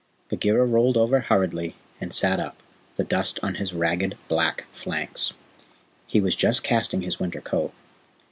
Bagheera rolled over hurriedly and sat up, the dust on his ragged black flanks. (He was just casting his winter coat.)